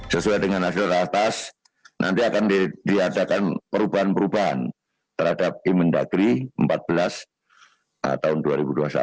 sesuai dengan hasil ratas nanti akan diadakan perubahan perubahan terhadap imendagri empat belas tahun dua ribu dua puluh satu